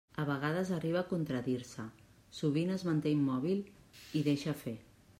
A vegades arriba a contradir-se; sovint es manté immòbil, i deixa fer.